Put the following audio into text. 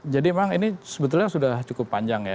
jadi memang ini sebetulnya sudah cukup panjang ya